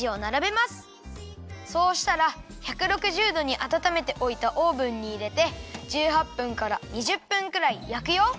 そうしたら１６０どにあたためておいたオーブンにいれて１８分から２０分くらいやくよ。